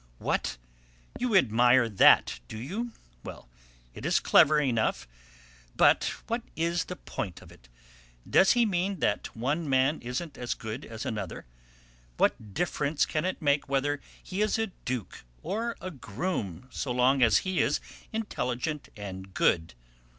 "What! You admire that, do you? Well, it is clever enough! But what is the point of it? Does he mean that one man isn't as good as another? What difference can it make whether he is a duke or a groom so long as he is intelligent and good?